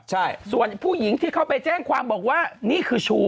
ใช่ส่วนผู้หญิงที่เข้าไปแจ้งความบอกว่านี่คือชู